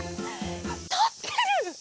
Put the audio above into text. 立ってる！